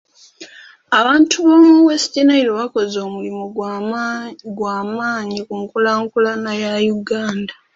Abantu b'omu West Nile bakoze omulimu gwa maanyi ku nkulaakulana ya Uganda.